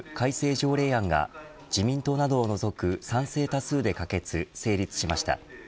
条例案が自民党などを除く賛成多数で可決、成立しました。